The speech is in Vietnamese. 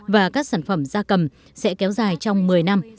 và các sản phẩm da cầm sẽ kéo dài trong một mươi năm